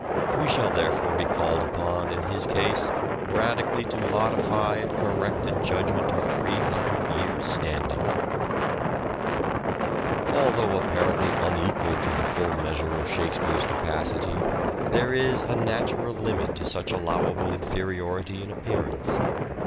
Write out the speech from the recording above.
We shall therefore be called upon in his case radically to modify and correct a judgment of three hundred years' standing. An English Although apparently unequal to the full measure literary °f Shakespeare's capacity, there is a natural limit to tastes such allowable inferiority in appearance.